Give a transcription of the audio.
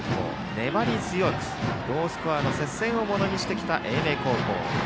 粘り強く、ロースコアの接戦をものにしてきた英明高校。